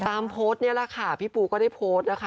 โพสต์นี้แหละค่ะพี่ปูก็ได้โพสต์นะคะ